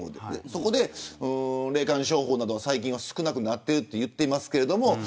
そこで霊感商法などは最近は少なくなっているといっていますけど。